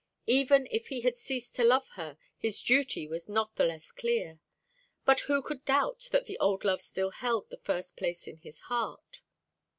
Even if he had ceased to love her, his duty was not the less clear; but who could doubt that the old love still held the first place in his heart?